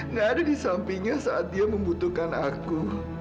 nggak ada di sampingnya saat dia membutuhkan aku